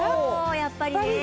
やっぱりね。